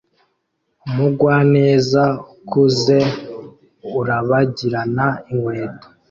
Umugwaneza ukuze urabagirana inkweto